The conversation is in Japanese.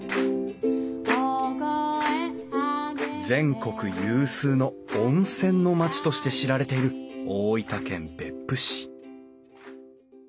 全国有数の温泉の町として知られている大分県別府市